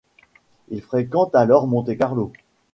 Il fréquente alors Monte-Carlo.